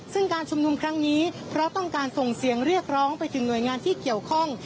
ซึ่งการชุมนุมครั้งนี้เพราะต้องการส่งเสียงเรียกร้องไปถึงหน่วยงานที่เกี่ยวข้อง